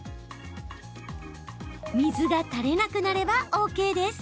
水が垂れなくなればＯＫです。